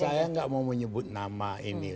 saya nggak mau menyebut nama ini